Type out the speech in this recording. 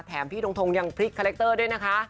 พี่ทงทงยังพลิกคาแรคเตอร์ด้วยนะคะ